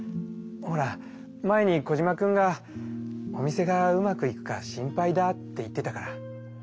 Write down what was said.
ほら前にコジマくんが「お店がうまくいくか心配だ」って言ってたから。